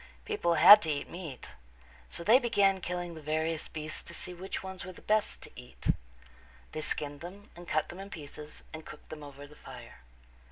People had to eat meat. So they began killing the various beasts to see which ones were the best to eat. They skinned them and cut them in pieces and cooked them over the fire.